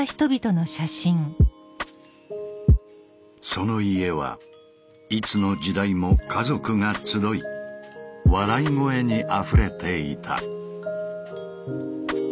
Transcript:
その家はいつの時代も家族が集い笑い声にあふれていた。